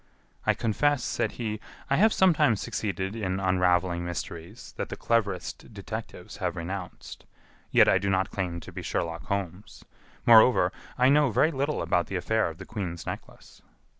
"I confess," said he, "I have sometimes succeeded in unraveling mysteries that the cleverest detectives have renounced; yet I do not claim to be Sherlock Holmes. Moreover, I know very little about the affair of the Queen's Necklace."